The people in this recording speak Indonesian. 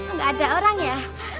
enggak ada orang ya